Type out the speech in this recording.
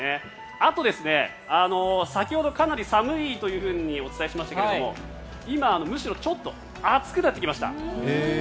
あと、先ほどかなり寒いというふうにお伝えしましたけども今、むしろちょっと暑くなってきました。